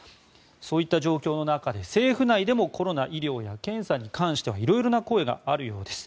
そういった状況の中で政府内でもコロナ医療や検査に関しては色々な声があるようです。